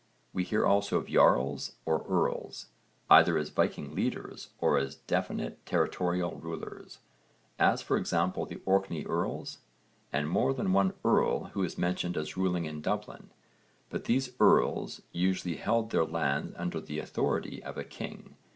We hear also of jarls or earls, either as Viking leaders or as definite territorial rulers, as for example the Orkney earls and more than one earl who is mentioned as ruling in Dublin, but these earls usually held their lands under the authority of a king.